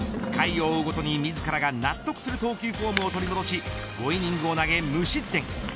回を追うごとに自らが納得する投球フォームを取り戻し５イニングを投げ無失点。